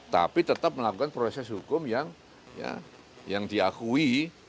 tapi tetap melakukan proses hukum yang diakui